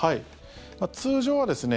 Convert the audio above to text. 通常はですね